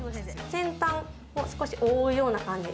先端を少し覆うような感じ。